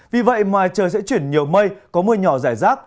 vì vậy mà trời sẽ chuyển nhiều mây có mưa nhỏ rải rác